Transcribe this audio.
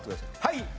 はい！